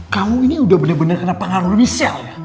kamu ini udah bener bener kena pengaruh michelle ya